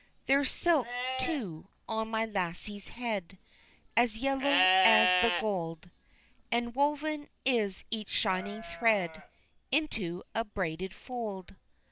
There's silk, too, on my lassie's head, As yellow as the gold, And woven is each shining thread Into a braided fold.